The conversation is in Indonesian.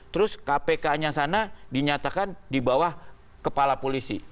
terus kpk nya sana dinyatakan di bawah kepala polisi